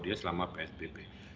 dia selama psbb